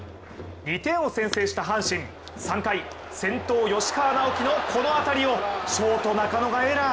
２点を先制した阪神３回先頭・吉川尚輝のこの当たりをショート・中野がエラー。